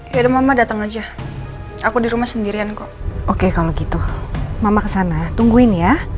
ya ada mama datang aja aku di rumah sendirian kok oke kalau gitu mama kesana tungguin ya